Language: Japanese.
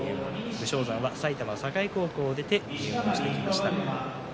武将山は埼玉栄高校を出て入門してきました。